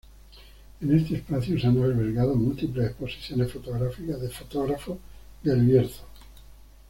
En este espacio se han albergado múltiples exposiciones fotográficas de fotógrafos de El Bierzo.